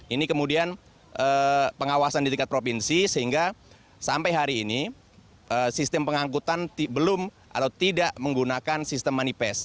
ini kemudian pengawasan di tingkat provinsi sehingga sampai hari ini sistem pengangkutan belum atau tidak menggunakan sistem manifest